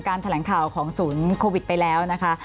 แถลงข่าวของศูนย์โควิดไปแล้วนะคะ